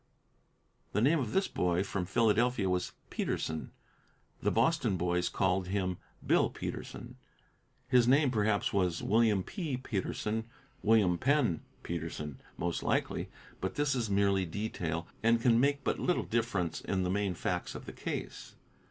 The name of this boy from Philadelphia was Peterson; the Boston boys called him Bill Peterson. His name, perhaps, was William P. Peterson; William Penn Peterson, most likely. But this is merely detail, and can make but little difference in the main facts of the case.